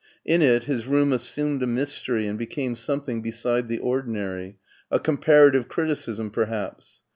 In it his room assumed a mystery and became something beside the ordinary: a comparative criticism perhaps.